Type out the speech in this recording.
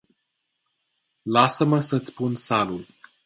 Lasa-ma sa iti pun salul.